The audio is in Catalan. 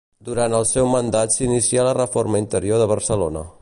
Durant el seu mandat s'inicià la reforma interior de Barcelona.